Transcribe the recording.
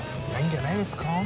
ないんじゃないんですか？